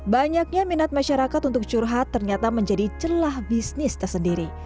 banyaknya minat masyarakat untuk curhat ternyata menjadi celah bisnis tersendiri